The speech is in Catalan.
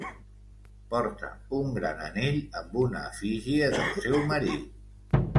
Porta un gran anell amb una efígie del seu marit.